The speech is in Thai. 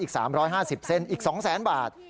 อีก๓๕๐เซนอีก๒๐๐๐๐๐บาท